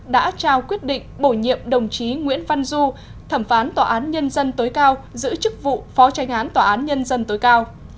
đã trao quyết định bổ nhiệm đồng chí nguyễn văn du thẩm phán tòa án nhân dân tối cao giữ chức vụ phó tranh án tòa án nhân dân tối cao